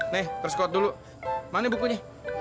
nih terus quote dulu mana bukunya